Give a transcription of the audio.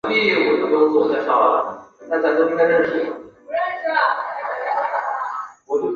最后约翰八世在位期间还是基本上抵挡住了奥斯曼帝国的入侵。